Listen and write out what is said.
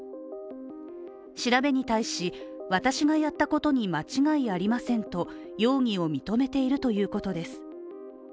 調べに対し私がやったことに間違いありませんと容疑を認めているということです。